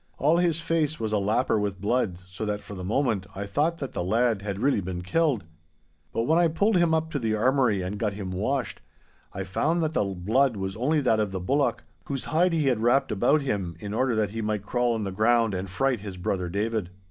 All his face was a lapper with blood, so that for the moment I thought that the lad had really been killed. But when I pulled him up to the armoury, and got him washed, I found that the blood was only that of the bullock, whose hide he had wrapped about him in order that he might crawl on the ground and fright his brother David.